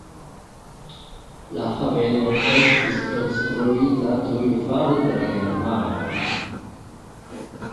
La haveno estis konstruita tuj fare de la germanoj.